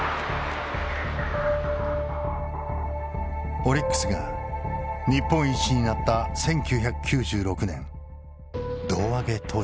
オリックスが日本一になった１９９６年胴上げ投手にもなった。